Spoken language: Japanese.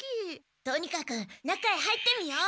とにかく中へ入ってみよう。